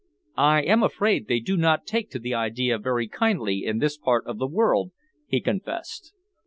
"I am afraid they do not take to the idea very kindly in this part of the world," he confessed.